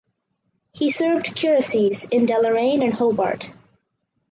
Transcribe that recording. He served curacies in Deloraine and Hobart.